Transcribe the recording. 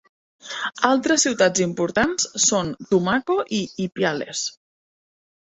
Altres ciutats importants són Tumaco i Ipiales.